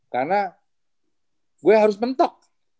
karena gue harus mentok